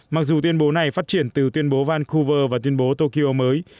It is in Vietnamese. mặc dù tuyên bố này phát triển từ tuyên bố vancouver và tuyên bố tokyo mới